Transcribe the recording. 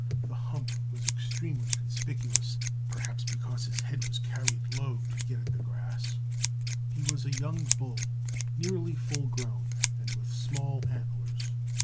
The hump was extremely conspicuous, perhaps because his head was carried low to get at the grass. He was a young bull, nearly full grown, and with small antlers.